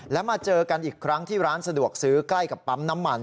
แล้วมาเจอกันอีกครั้งที่ร้านสะดวกซื้อใกล้กับปั๊มน้ำมัน